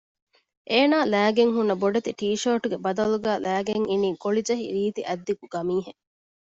އޭނަ ލައިގެން ހުންނަ ބޮޑެތި ޓީޝާޓުގެ ބަދަލުގައި ލައިގެން އިނީ ގޮޅިޖެހި ރީތި އަތްދިގު ގަމީހެއް